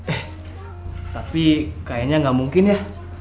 eh tapi kayaknya nggak mungkin ya